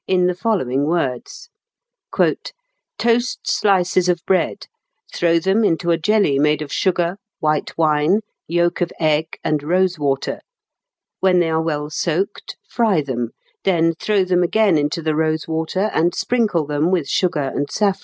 in the following words, "Toast slices of bread, throw them into a jelly made of sugar, white wine, yolk of egg, and rosewater; when they are well soaked fry them, then throw them again into the rosewater and sprinkle them with sugar and saffron."